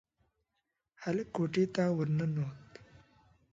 هلک کوټې ته ورننوت.